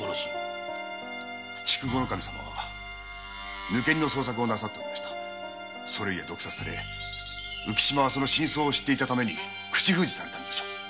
酒村様は抜け荷の探索をしておられたために毒殺され浮島は真相を知っていたために口封じされたのでしょう。